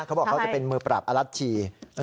เขาบอกเขาจะเป็นมือปราบอลัชชี